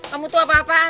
kamu tuh apa apaan